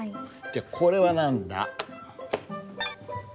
じゃこれは何だ？